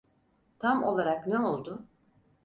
Tam olarak ne oldu?